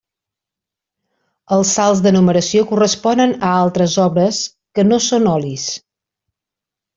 Els salts de numeració corresponen a altres obres que no són olis.